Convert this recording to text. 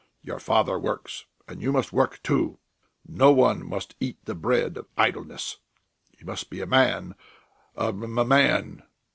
Your father works and you must work, too! No one must eat the bread of idleness! You must be a man! A m man!"